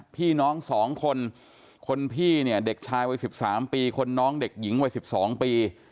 พี่น้อง๒คนคนพี่เนี่ยเด็กชายวัย๑๓ปีคนน้องเด็กหญิงวัย๑๒ปี